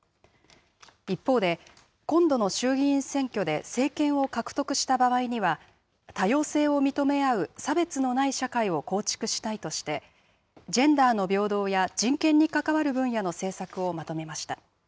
一方で、今度の衆議院選挙で政権を獲得した場合には、多様性を認め合う差別のない社会を構築したいとして、ジェンダーの平等や人権に関わる分野での政策をまとめました。